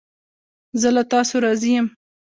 زه له تاسو راضی یم